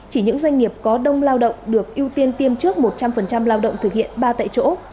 chỉ những doanh nghiệp có đông lao động được ưu tiên tiêm trước một trăm linh lao động thực hiện ba tại chỗ